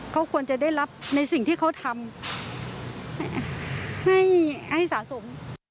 เขาควรจะได้รับในสิ่งที่เขาทำให้สะสม